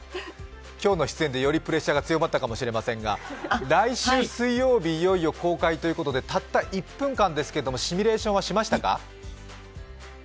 今日の出演でよりプレッシャーが強まったかもしれませんが来週水曜日いよいよ公開ということでたった１分間ですけれども、シミュレーションはしましたか？